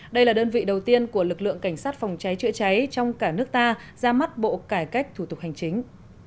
đây là đơn vị đầu tiên của lực lượng cảnh sát phòng cháy chữa cháy trong cả nước ta ra mắt bộ cải cách thủ tục hành chính